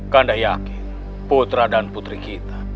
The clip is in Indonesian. karena yakin putra dan putri kita